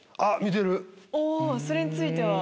それについては？